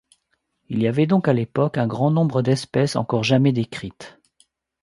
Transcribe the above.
Il y avait donc à l'époque un grand nombre d'espèces encore jamais décrites.